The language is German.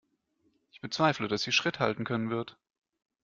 Ich bezweifle, dass sie Schritt halten können wird.